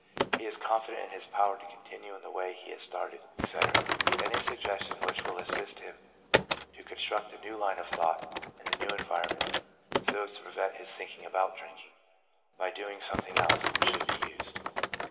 He is confident in his power to continue in the way he has started, etc. Any sug gestion which will assist him to construct a new line of thought and a new environment, so as to prevent his thinking about drinking, by doing something else, should be used.